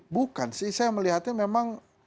bukan sih saya melihatnya memang